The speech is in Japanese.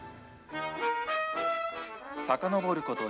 さかのぼること